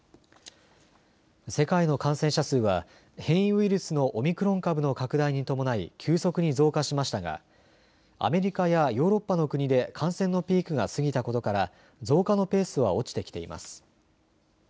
世界の感染者数は変異ウイルスのオミクロン株の拡大に伴い急速に増加しましたがアメリカやヨーロッパの国で感染のピークが過ぎたことから増加のペースは落ちてきています。